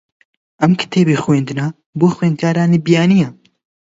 ئەم کتێبی خوێندنە بۆ خوێندکارانی بیانییە.